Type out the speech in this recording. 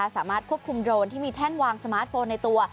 สามารถควบคุมโดรนที่มีแท่นวางสมาร์ทโฟนในตัว